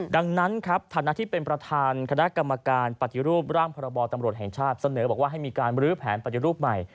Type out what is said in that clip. ดังนั้นครับฐานะที่เป็นประธานคณะกรรมการปฏิรูปร่างพรบตำรวจแห่งชาติเสนอบอกว่าให้มีการบรื้อแผนปฏิรูปใหม่